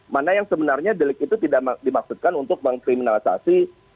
mana yang sebenarnya delik itu tidak dimaksudkan untuk mengkriminalisasi